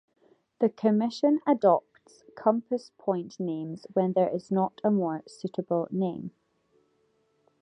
The Commission adopts compass point names when there is not a more suitable name.